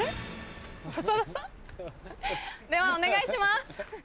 ではお願いします！